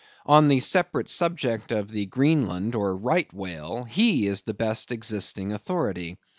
On the separate subject of the Greenland or right whale, he is the best existing authority.